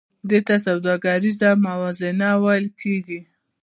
دې ته سوداګریزه موازنه ویل کېږي